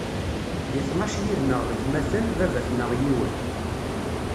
Di tnac yid-nneɣ d atmaten, baba-tneɣ yiwen.